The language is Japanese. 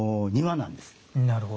なるほど。